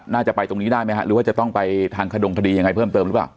น่าจะไปตรงนี้ได้ไหมฮะหรือว่าจะต้องไปทางขดงคดียังไงเพิ่มเติมหรือเปล่า